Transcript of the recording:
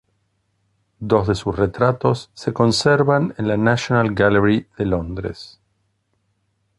Dos de sus retratos se conservan en la National Gallery de Londres.